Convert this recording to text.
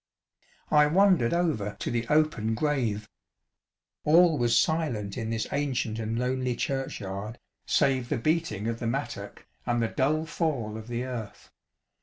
I wandered over to the open grave. All was silent in this ancient and lonely churchyard, save the beating of the mattock and the dull fall of the earth.